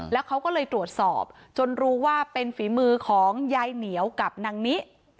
แล้วเขาก็เลยตรวจสอบจนรู้ว่าเป็นฝีมือของยายเหนียวกับนางนิ